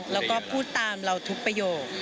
แล้วก็พูดตามเราทุกประโยค